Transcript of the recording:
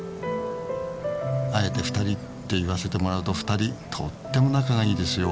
あえて２人って言わせてもらうと２人とっても仲がいいですよ。